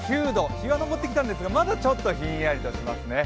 日は昇ってきたんですがまだちょっとひんやりとしますね。